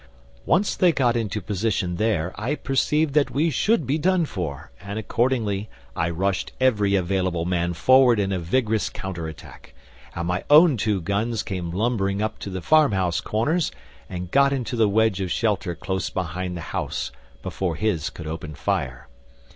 "Once they got into position there I perceived that we should be done for, and accordingly I rushed every available man forward in a vigorous counter attack, and my own two guns came lumbering up to the farmhouse corners, and got into the wedge of shelter close behind the house before his could open fire.